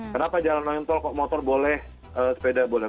kenapa jalan layang nontor kok motor boleh sepeda boleh